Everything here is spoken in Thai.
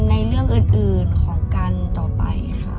ในเรื่องอื่นของกันต่อไปค่ะ